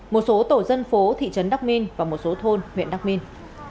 một số tổ dân phố thị trấn đắk minh và một số thôn huyện đắk minh